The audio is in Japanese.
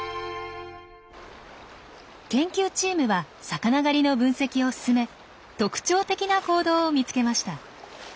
研究チームは魚狩りの分析を進め特徴的な行動を見つけました。